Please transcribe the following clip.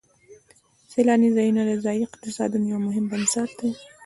سیلاني ځایونه د ځایي اقتصادونو یو مهم بنسټ دی.